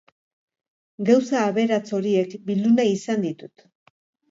Gauza aberats horiek bildu nahi izan ditut.